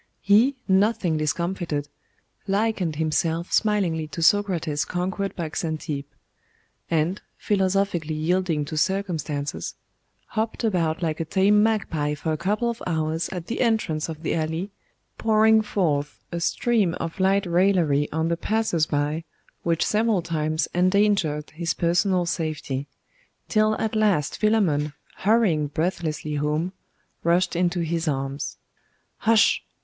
He, nothing discomfited, likened himself smilingly to Socrates conquered by Xantippe; and, philosophically yielding to circumstances, hopped about like a tame magpie for a couple of hours at the entrance of the alley, pouring forth a stream of light raillery on the passers by, which several times endangered his personal safety; till at last Philammon, hurrying breathlessly home, rushed into his arms. 'Hush!